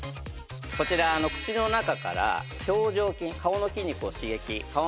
こちら口の中から表情筋顔の筋肉を刺激顔